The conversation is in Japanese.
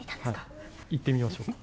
はいいってみましょうか。